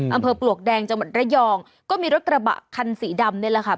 ปลวกแดงจังหวัดระยองก็มีรถกระบะคันสีดำนี่แหละค่ะ